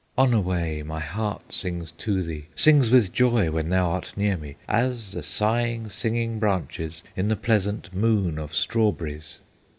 "Onaway! my heart sings to thee, Sings with joy when thou art near me, As the sighing, singing branches In the pleasant Moon of Strawberries!